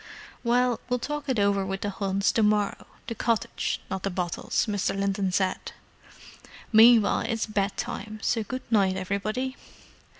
"Well, we'll talk it over with the Hunts to morrow—the cottage, not the bottles," Mr. Linton said. "Meanwhile, it's bed time, so good night, everybody."